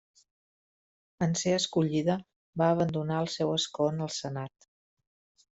En ser escollida, va abandonar el seu escó en el Senat.